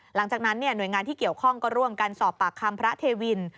หลังจากนั้นหน่วยงานที่เกี่ยวข้องก็ร่วมกันสอบปากคำพระเทวิน